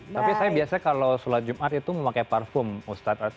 tapi saya biasanya kalau sholat jumat itu memakai parfum ustadz